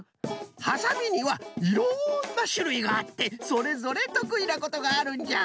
ハサミにはいろんなしゅるいがあってそれぞれとくいなことがあるんじゃ。